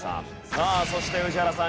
さあそして宇治原さん